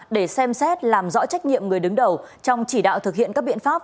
để xem xét làm rõ trách nhiệm người đứng đầu trong chỉ đạo thực hiện các biện pháp